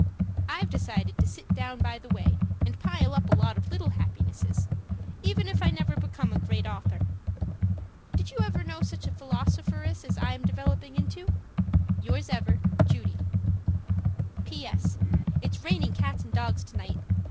I've decided to sit down by the way and pile up a lot of little happinesses, even if I never become a Great Author. Did you ever know such a philosopheress as I am developing into? Yours ever, Judy PS. It's raining cats and dogs tonight.